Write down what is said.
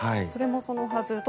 それもそのはず。